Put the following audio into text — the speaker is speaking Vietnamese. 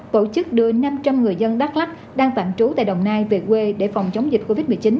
tổ chức đưa năm trăm linh người dân đắk lắc đang tạm trú tại đồng nai về quê để phòng chống dịch covid một mươi chín